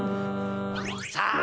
さあ